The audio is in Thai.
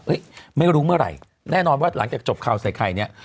เฮ้ยไม่รู้เมื่อไหร่แน่นอนว่าหลังจากจบค่าวสายไข่